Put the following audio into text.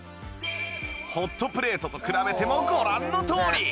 ホットプレートと比べてもご覧のとおり